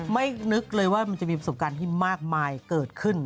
นึกเลยว่ามันจะมีประสบการณ์ที่มากมายเกิดขึ้น